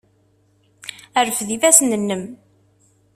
Rfed ifassen-nnem!